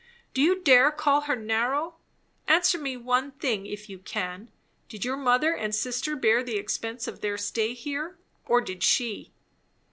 Do you dare call her narrow? Answer me one thing, if you can; did your mother and sister bear the expense of their stay here, or did she?